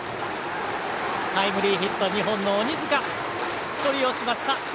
タイムリーヒット２本の鬼塚が処理をしました。